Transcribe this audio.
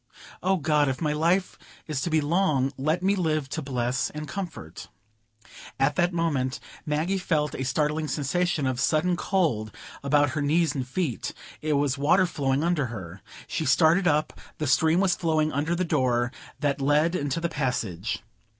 "O God, if my life is to be long, let me live to bless and comfort——" At that moment Maggie felt a startling sensation of sudden cold about her knees and feet; it was water flowing under her. She started up; the stream was flowing under the door that led into the passage.